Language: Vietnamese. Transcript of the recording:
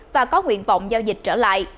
và có nguyện vọng giao dịch trở lại